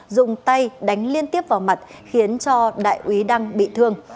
dùng tay đánh liên tiếp vào mặt khiến cho đại úy đăng bị thương